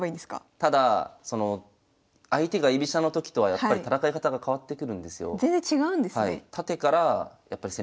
ただその相手が居飛車のときとはやっぱり戦い方が変わってくるんですよ。